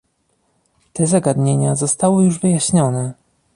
te zagadnienia zostały już wyjaśnione